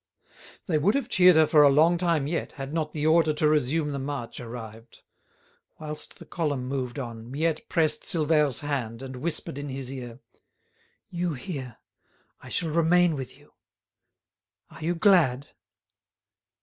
They would have cheered her for a long time yet had not the order to resume the march arrived. Whilst the column moved on, Miette pressed Silvère's hand and whispered in his ear: "You hear! I shall remain with you. Are you glad?"